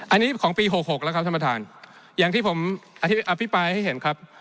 อันนี้ของปี๖๖แล้วครับท่านประธานอย่างที่ผมอภิปรายให้เห็นครับ